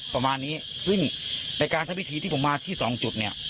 ประมาณนี้ซึ่งทางทางวิธีที่ผมมาที่๒จุดเนี่ย